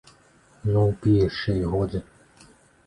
Ну, пі яшчэ, і годзе.